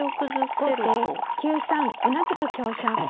後手９三同じく香車。